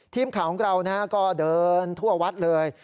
ทีมข่าวของเราก็เดินทั่ววัดเลย